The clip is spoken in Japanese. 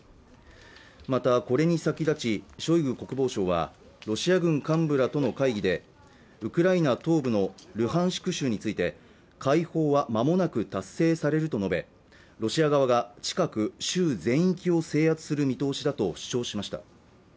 またこれに先立ちショイグ国防相はロシア軍幹部らとの会議でウクライナ東部のルハンシク州について解放は間もなく達成されると述べロシア側が近く州全域を制圧する見通しだと主張しました